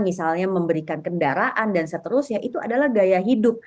misalnya memberikan kendaraan dan seterusnya itu adalah gaya hidup